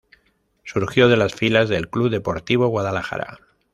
Surgió de las filas del Club Deportivo Guadalajara.